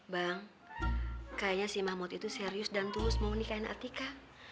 bang kayaknya si mahmud itu serius dan tulus mau menikahin etika